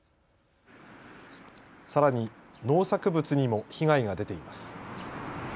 さらに農作物にも被害が出ています。